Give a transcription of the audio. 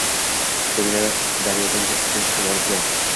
So‘ngra daryodan bus-butun chiqib olibdi